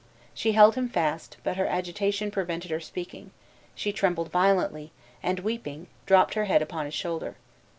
She held him fast, but her agitation prevented her speaking; she trembled violently, and weeping, dropped her head upon his shoulder.